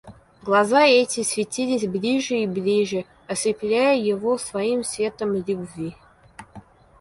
Глаза эти светились ближе и ближе, ослепляя его своим светом любви.